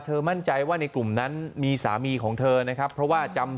มั่นใจว่าในกลุ่มนั้นมีสามีของเธอนะครับเพราะว่าจำ